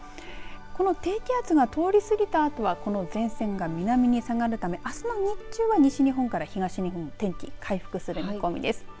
この低気圧が通り過ぎたあとはこの前線が南に下がるためあすの日中は、西日本から東日本天気、回復する見込みです。